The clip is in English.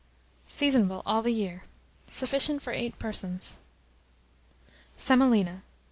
Seasonable all the year. Sufficient for 8 persons. SEMOLINA.